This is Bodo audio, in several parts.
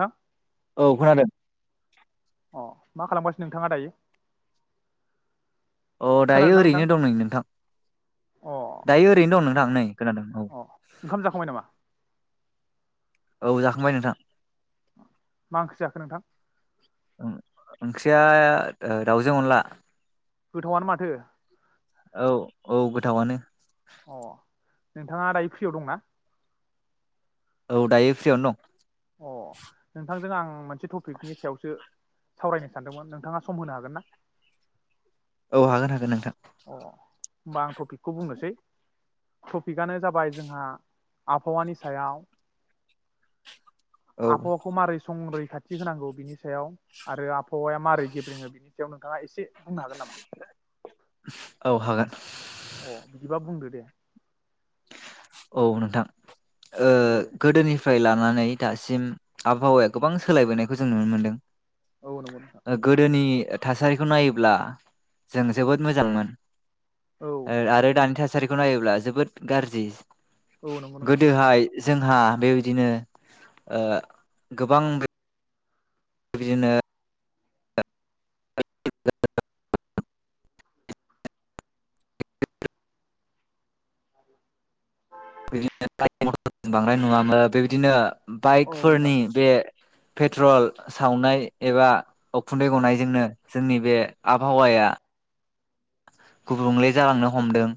हा औ खोनादों अ मा खालामगासिनो नोंथाङा दायो अ दायो खोनादोंना नोंथां ओरैनो दं नै नोंथां। अ दायो ओरैनो दं नोंथां। नै खोनादों। औ अ ओंखाम जाखांबाय नामा औ जाखांबाय नोंथां मा ओंख्रै जाखो नोंथां? ओंख्रिया दाउजों अनला। गोथावआनो माथो। औ औ गोथावनो। अ नोंथाङा दायो फ्रियाव दंना? औ दायो फ्रियावनो दं। अ नोंथांजों आं मोनसे टपिकनि सायावसो सावरायनो सानदोंमोन नोंथाङा सम होनो हागोन ना? औ हागोन हागोन नोंथां। अ होमबा आं टपिकखौ बुंनोसै। टपिकनो जाबाय जोंहा आबहावानि सायाव- औ आबहावखौ मारै संरै खाथि होनांगौ बिनि सायाव आरो आबहावाया मारै गेबेङो बिनि सायावनो नोंथाङा एसे बुंनो हागोन नामा? औ हागोन अ बिदिबा बुंदो दे औ नोंथां ओ औ दे गोदोनिफ्राय लानानै नै दासिम आबहावाया गोबां सोलायबोनायखौ जों नुनो मोनदों। औ नंगौ नोंथां गोदोनि - थासारिखौ नायोब्ला जों जोबोद मोजांमोन। औ ओ आरो दानि थासा- सारिखौ नायोब्ला जोबोद- गार्जि औ नंगौ नोंथां गोदोहाय जों हा बेबायदिनो ओ गोबां बिदिनो बि बांद्राय नुवामोन बे बिदिनो औ नोंथां बाइकफोरनि बे- पेट्रल सावनाय एबा उखुन्दै गनायजोंनो जोंनि बे आबहावाया- गुबुंले जालांनो हमदों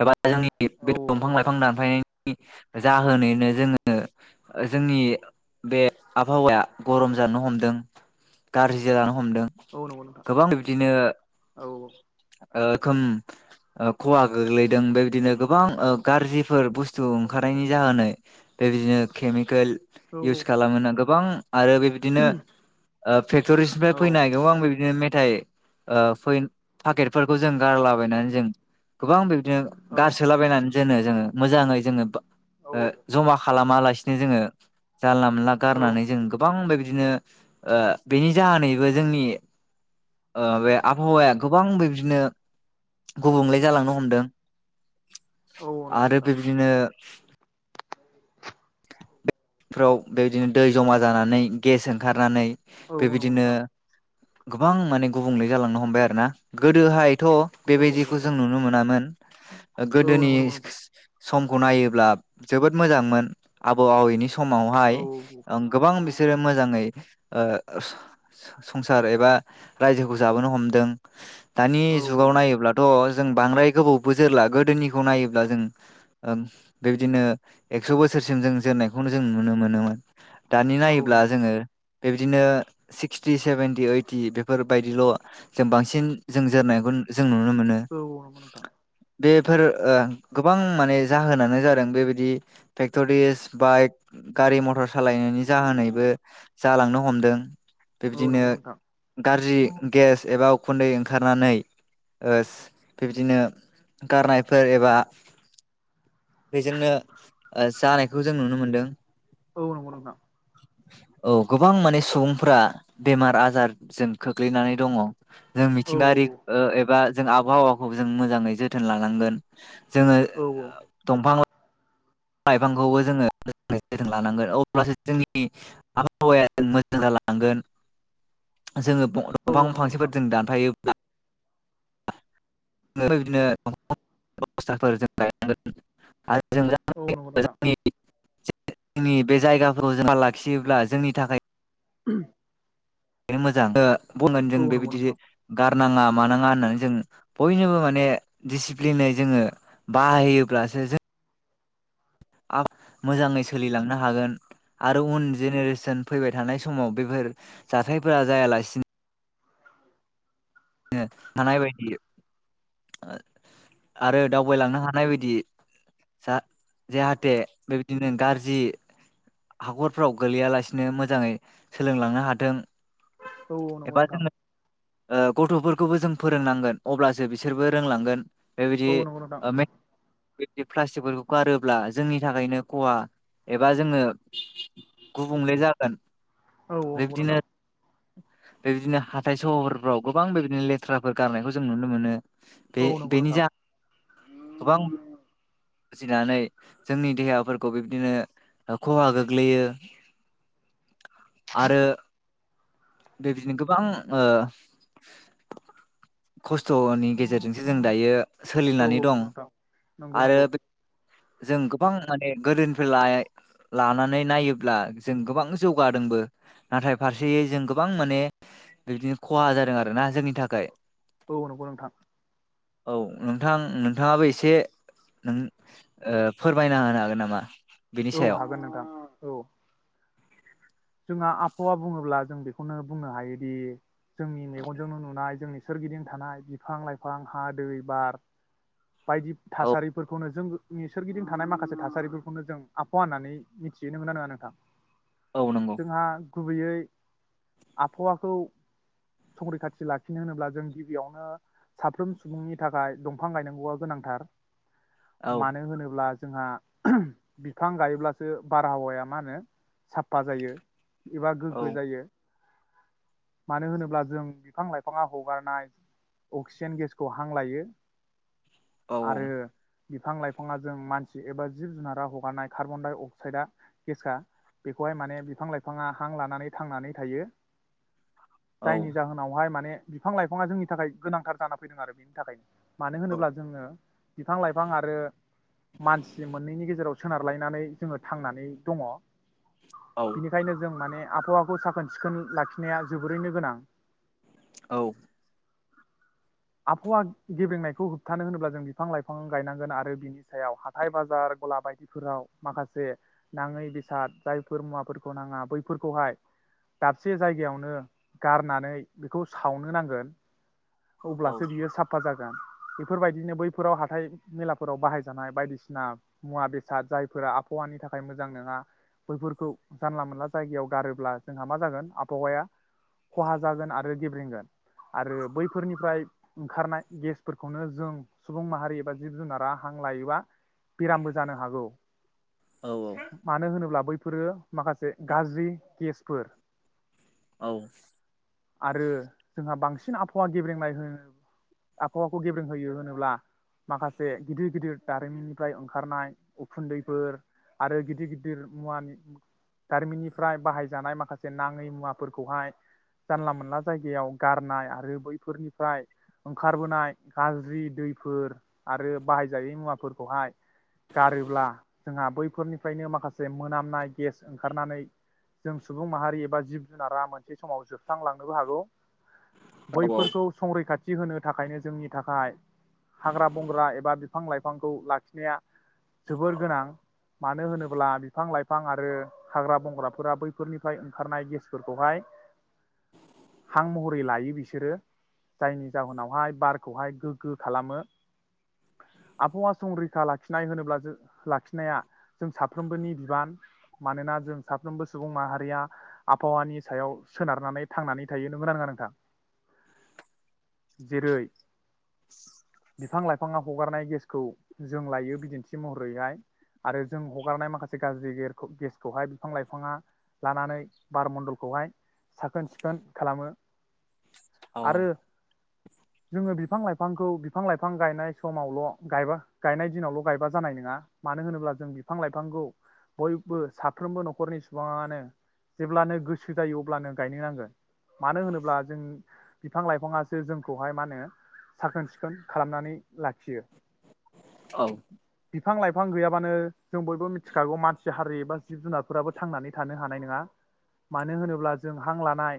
एबा- जोंनि औ बे औ दंफां नंगौ नोंथां लाइफां दानफायनायनि- जाहोनैनो जोङो जोंनि बे आबहावाया गरम जानो हमदों गाज्रि जानानै हमदों औ नंगौ नोंथां गोबां बिदिनो औ खोम खहा गोग्लैदों बेबायदिनो गोबां गाज्रिफोर बुस्थु ओंखारनायनि जाहोनै बेबायदिनो केमिकेल औ इउस खालामना गो बां आरो बेबायदिनो ओ फेक्टरिसनिफ्राय औ फैनायगौ आं बेदिनो [unintelligible] फोरखौ जों गारलाबायनानै जों गोबां बि [unintelligible] औ गारसोलाबायनानै दोनो जोङो मोजाङै जोङो बा औ ओ जमा खालामालाय बिसिनो जोङो जानला मोनला औ गारनानै जों गोबां बे बिदिनो ओ बेनि जाहैबो जोंनि ओ बे आबहावाया गोबां बे बिनो गुबुंले जालांनो हमदों औ नंगौ आरो नोंथां बेबदिनो बेफोराव बेदिनो दै जमा जानानै गेस ओंखारनानै औ औ नंगौ बेबायदिनो नोंथां गोबां माने गुबुंले जालांनो हमबाय आरो ना गोदोहाय थ' औ नंगौ बेबायदिखौ नोंथां जों नुनो मोनामोन [unintelligible] औ गोदोनि नंगौ नंगौ नोंथां स-समखौ नायोब्ला जोबोद मोजांमोन आब आवनिस औ समावहाय गोबां बिसोरो मोजाङै ओ स-स-संसार एबा रायजोखौ जाबोनो हमदों दानि औ जुगाव नायोब्लाथ' जों बांद्राय गोबाव बो जोरला, गोदोनिखौ नायोब्ला जों ओं बेबादिनो एगस' बोस सोरसिम जों जोरनायखौनो जों नुनो मोनोमोन दानि औ नायोब्ला नंगौ नोंथां जोङो बेबायदिनो सिक्सटि सेभेेनटि ओइटि बेफोरबायदिल' जों बांसिन जों जोरनायखौ जों नुनो मोनो औ औ नंगौ नोंथां बेफोर ओ गोबां माने जाहोनानो जादों बेबायदि फेकट'रिस बाइक गारि मथर सालायनायनि जाहोनैबो जालांनो हमदों औ बेबदिनो नंगौ नोंथां गारजि गेस एबा उखुन्दै ओंखारनानै ओस बिबदिनो गारनायफोर एबा बेजोंनो ओ जानायखौ जों नुनो मोनदों। औ नंगौ नोंथां औ गोबां माने सुबुंफोरा बेमार आजारजों खोख्लैनानै दङ' जों औ मिथिंगायारि ओ एबा जों आबहावाखौ जों मोजाङै जोथोन लानांगोन जोङो औ दंफां लाइफांखौबो जोङो [unintelligible] लानांगोन अब्लासो जोंनि आबहावाया मोजां जालां गोन। जोङो औ [unintelligible] नंगौ नोंथां फांसेफोरजों दानफायो [unintelligible] औ नंगौ नोंथां। जोंनि [unintelligible] बे जायगाफोराव जों लाखियोब्ला जोंनि थाखाय [unintelligible] बे मोजां ओ बुंगोन जों बेबायदि गा गारनाङा मानाङा होननानै जों बयनोबो माने दिसिप्लिनै जोङो बाहायोब्लासो जों आ मोजाङै सोलिलांनो हागोन आरो उन जेनेरेसन फैबाय थानाय समाव बेफोर जाथायफोरा जायालासि नो हानाय बायदि आरो दावबायलांनो हानाय बायदि जा जेहाथे बेबायदिनो गाज्रि हाखरफ्राव गोलैयालासिनो मोजाङै सोलोंलांनो हाथों औ औ नंगौ नोंथां। ओ गथ'फोरखौबो जों फोरोंनांगोन अब्लासो बिसोरबो रोंलांगोन बेबायदि औ नंगौ नोंथां मे बेब्दि प्लास्टिकफोरखौ गारोब्ला जोंनि थाखायनो खहा एबा जोङो गुबुंले जागोन औ नंगौ नोंथां। बे बिदिनो हाथाय सहारफ्राव गोबां बेबायदिनो लेथ्राफोर गारनायखौ जों नुनो मोनो बे औ नंगौ बेनि नोंथां जा [unintelligible] गोबां जिनानै जोंनि देहाफोरखौ बिब्दिनो खहा गोग्लैयो। आरो बेबायदिनो गोबां ओ खस्थ'नि गेजेरजोंसो जों दायो औ सोलिनानै दं नंगौ नोंथां नंगौ आरो नंगौ जों गोबां म गोदोनिफ्राय ला-लानानै नायोब्ला जों गोबां जौगादोंबो नाथाय फारसेयै जों गोबां माने बिबदिनो खहा जादों आरोना जोंनि थाखाय औ नंगौ नोंथां। औ नोंथां नोंथाङाबो एसे नों फोरमायना होनो हागोन नामा? बेनि औ सायाव हागोन नोंथां औ। जोंहा आबहावा बुङोब्ला जों बेखौनो बुंनो हायोदि जोंनि मेगनजोंनो नुनाय जोंनि सोरगिदिं थानाय बिफां लाइफां हा दै बार बायदि औ थासारिफोरखौनो जों नि सोरगिदिं थानाय माखासे थासारिफोरखौनो जों आबहावा होननानै मिथिहोननो मोनो ना नोंथां? औ नंगौ जोंहा गुबैयै आबहावाखौ संखरैखाथि लाखिनो होनोब्ला जों गिबियावनो साफ्रोम सुबुंनि थाखाय दंफां गायनाय नांगौआ गोनांथार औ मानो होनोब्ला जोंहा बिफां गायोब्लासो बारहावाया मा होनो साफा जायो एबा औ गोग्गो जायो मानो होनोब्ला जों बिफां लाइफाङा हगारनाय अक्सिजेन गेसखौ हां लायो औ आरो बिफां लाइफाङा जों मानसि एबा जिब जुनारा हगारनाय कार्बनडाइ अक्साइडआ गेसखा बेखौहाय माने बिफां लाइफाङा हां लानानै थांनानै थायो। औ जायनि जाहोनावहाय माने बिफां लाइफाङा जोंनि थाखाय गोनांथार जाना फैदों आरो बेनि थाखायनो मानो होनोब्ला जोङो बिफां लाइफां आरो मानसि मोननैनि गेजेराव सोनारलायनानै जोङो थांनानै दङ औ बिनिखायनो जों माने आबहावाखौ साखोन सिखोन लाखिनाया जोबोरैनो गोनां औ आखौ गे बे खौ होबथानो होनोब्ला जों बिफां लाइफां गायनांगोन आरो बिनि सायाव हाथाय बाजार गला बायदिफोराव माखासे नाङै बेसाद जायफोर मुवाफोरखौ नाङा बैफोरखौहाय दाबसे जायगायावनो गारनानै बेखौ सावनो नांगोन औ अब्लासो बियो साफा जागोन। [inaudible] बेफोरबायदिनो बैफोराव हाथाय मेलाफोराव बाहायजानाय बायदिसिना मुवा बेसाद जायफोरा आबहावानि थाखाय मोजां नङा बैफोरखौ जानला मोनला जायगायाव गारोब्ला जोंहा मा जागोन आबहावाया खहा जागोन आरो गेब्रेंगोन आरो बैफोरनिफ्राय ओंखारनाय गेस फोरखौनो जों सुबुं माहारि एबा जिब जुनारा हां लायोबा बेरामबो जानो हागौ औ मानो होनोब्ला बै फोरो माखासे गाज्रि गेसफोर [inaudible] आरो जोंहा बांसिन आबहावा गेब्रेंनाय होनो हावाखौ गेब्रेंहोयो होनोब्ला माखासे गिदिर गिदिर दारिमिननिफ्राय ओंखारनाय उखुन्दैफोर आरो गिदिर गिदिर मुवानि गारिमिननिफ्राय बाहायजानाय माखासे नाङै मुवाफोरखौहाय जानला मोनला जायगायाव गारनाय आरो बैफोरनिफ्राय ओंखार ओखारबोनाय गाज्रि दैफोर आरो बाहायजायै मुवाफोरखौहाय गारोब्ला जोंहा बैफोरनिफ्रायनो माखासे मोनामनाय गेस ओंखारनानै जों सुबुं माहारि एबा जिब जुनारा मोनसे समाव जोबस्रांलांनोबो हागौ। बैफोरखौ संरैखाथि थि होनो थाखायनो जोंनि थाखाय हाग्रा बंग्रा एबा बिफां लाइफांखौ लाखिनाया जोबोर गोनां मानो होनोब्ला बिफां लाइफां आरो हाग्रा बंग्राफोरा बैफोरनिफ्राय ओंखारनाय गेसफोरखौहाय हां महरै लायो बिसोरो जायनि जाहोनाव बारखौहाय गोग्गो खालामो आबहावा संरैखा लाखिनाय होनोब्ला जों लाखिनाया जों साफ्रोमबोनि बिबान मानोना जों साफ्रोमबो सुबुं माहारिया आबहावानि सायाव सोनारनानै थांनानै थायो नोंगौ ना नोङा नोंथां? जेरै बिफां लाइफाङा हगारनाय गेसखौ जों लायो बिदिन्थि महरैहाय आरो जों हगारनाय माखासे गाज्रि गेसखौहाय बिफां लाइफाङा लानानै बार मन्डलखौहाय साखोन सिखोन खालामो। आरो जोङो बिफां लाइफांखौ बिफां लाइफां गायनाय समावल' गायबा गायनाय दिनावल' गायबा जानाय नङा मानो होनोब्ला जों बिफां लाइफांखौ बयबो साफ्रोमबो न'खरनि सुबुङानो जेब्लानो गोसो जायो अब्लानो गायनो नांगोन मानो होनोब्ला जों बिफां लाइफाङासो जों खौहाय मा होनो साखोन सिखोन खालामनानै लाखियो। औ बिफां लाइफां गैयाबानो जों बयबो मिथिखागौ मानसि हारि एबा जिब जुनारफोराबो थांनानै थानो हानाय नङा मानो होनोब्ला जों हां लानाय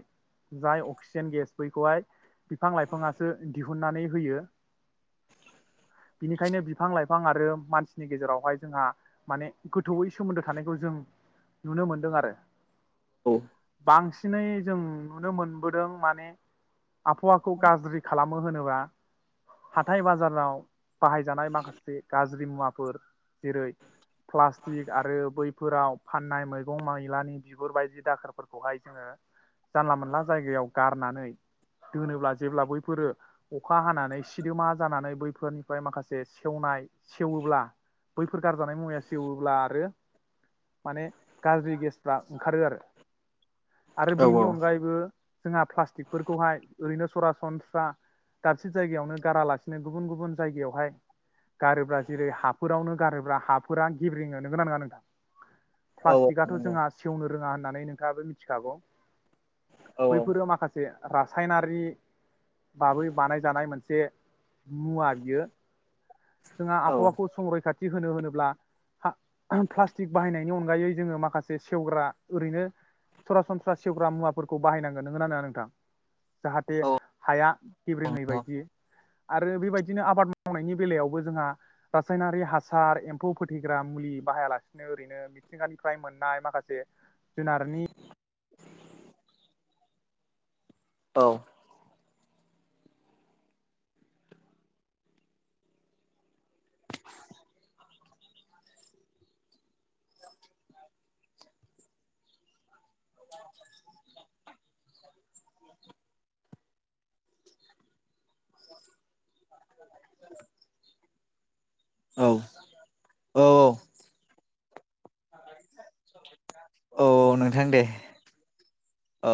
जाय अक्सिजेन गेस बैखौहाय बिफां लाइफां बिफाङासो दिहुनन्नानै होयो बिनिखायनो बिफां लाइफां आरो मानसिनि गेजेरावहाय जोंहा माने गोथौयै सोमोन्दो थानायखौ जों नुनो मोनदों आरो औ बांसिनै जों नुनो मोनबोदों माने आबहावाखौ गाज्रि खालाम मो होनोबा हाथाय बाजाराव बाहायजानाय माखासे गाज्रि मुवाफोर जेरै प्लास्टिक आरो बै फोराव फाननाय मैगं मैलानि बिगुर बायदि दाखोरफोरखौहाय जोङो जानला मोनला जायगायाव गारनानै दोनोब्ला जेब्ला बैफोरो अखा हानानै सिदोमा जानानै बैफोरनिफ्राय माखासे सेवनाय सेवोब्ला बैफोर गारजानाय मुवाया सेवोब्ला आरो माने गाज्रि गेसफ्रा ओंखारो आरो आरो औ बेनि औ अनगायैबो जोंहा प्लास्टिकफोरखौहाय ओरैनो सरा सनस्रा दाबसे जायगायावनो गारालासिनो गुबुन गुबुन जायगायावहाय गारोब्रा जेरै हाफोरावनो गारोब्रा हाफोरा गेब्रेङो नोंगौ ना नङा नोंथां औ नंगौ औ प्लास्टिकथ' नंगौ जोंहा औ सेवनो रोङा होननानै नोंथाङाबो मिथिखागौ बैफोरो माखासे रासायनारि बाबै बानायजानाय मोनसे मुवा बियो जोंहा औ आबहावाखौ संरैखाथि होनो होनोब्ला प्लास्टिक बाहायनायनि अनगायै जोङो माखासे सेवग्रा ओरैनो सरासनस्रा सेवग्रा मुवाफोरखौ बाहायनांगोन नोंङा नङा नोंथां जाहाथे औ हाया गेब्रेङै बायदि आरो बेबायदिनो आबाद मावनायनि बेलायावबो जोंहा रासायनारि हासार एम्फौ फोथैग्रा मुलि बाहायालासिनो ओरैनो मिथिंगानिफ्राय मोननाय माखासे जुनारनि औ औ औ औ नोंथां दे [inaudible] औ